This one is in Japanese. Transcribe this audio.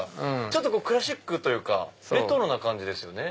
ちょっとクラシックというかレトロな感じですよね。